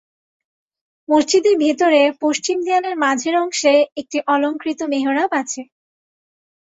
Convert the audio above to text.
মসজিদের ভিতরে পশ্চিম দেয়ালের মাঝের অংশে একটি অলংকৃত মেহরাব আছে।